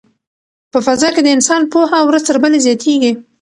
په فضا کې د انسان پوهه ورځ تر بلې زیاتیږي.